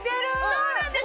そうなんです！